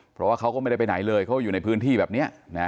เพราะว่าเขาก็ไม่ได้ไปไหนเลยเขาอยู่ในพื้นที่แบบนี้